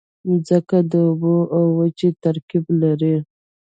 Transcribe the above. مځکه د اوبو او وچې ترکیب لري.